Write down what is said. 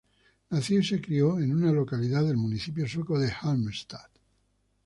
Nació y se crio en una localidad del municipio sueco de Halmstad.